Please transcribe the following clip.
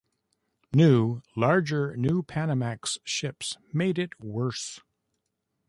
New, larger "New Panamax" ships made it worse.